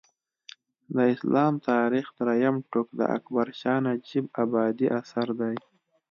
د اسلام تاریخ درېیم ټوک د اکبر شاه نجیب ابادي اثر دی